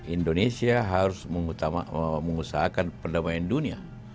indonesia harus mengusahakan perdamaian dunia